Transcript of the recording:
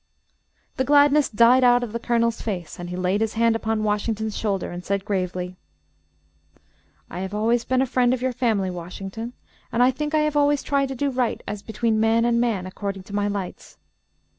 The gladness died out of the Colonel's face, and he laid his hand upon Washington's shoulder and said gravely: "I have always been a friend of your family, Washington, and I think I have always tried to do right as between man and man, according to my lights.